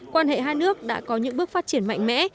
quan hệ hai nước đã có những bước phát triển mạnh mẽ